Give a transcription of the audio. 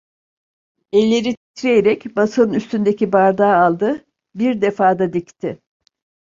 Elleri titreyerek masanın üstündeki bardağı aldı, bir defada dikti.